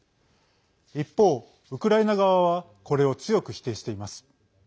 一方、ウクライナ側はこれを強く否定しています。